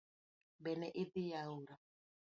Be ne idhi aora?